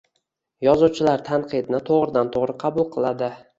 Yozuvchilar tanqidni toʻgʻridan toʻgʻri qabul qiladi